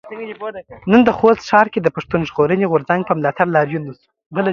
نن د خوست ښار کې د پښتون ژغورنې غورځنګ په ملاتړ لاريون وشو.